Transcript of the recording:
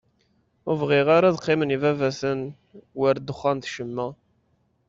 Ur bɣiɣ ara ad qqimen yibabaten war ddexxan d ccemma.